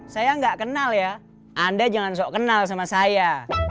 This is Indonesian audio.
saya nggak kenal ya anda jangan kenal sama saya